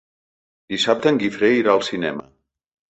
Dissabte en Guifré irà al cinema.